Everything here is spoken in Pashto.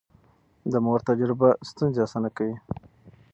د مور تجربه ستونزې اسانه کوي.